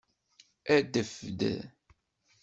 Adef-d.